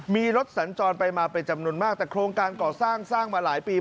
มีรถสัญจรไปมาเป็นจำนวนมากแต่โครงการก่อสร้างสร้างมาหลายปี